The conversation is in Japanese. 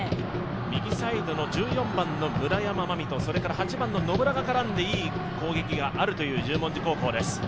右サイドの１４番の村山茉美と８番の野村が絡んで、いい攻撃があるという十文字高校です。